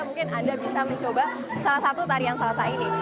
mungkin anda bisa mencoba salah satu tarian salsa ini